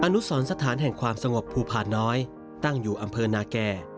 อนุสรสถานแห่งความสงบภูผาน้อยตั้งอยู่อำเภอนาแก่